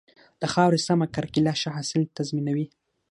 د خاورې سمه کرکيله ښه حاصل تضمینوي.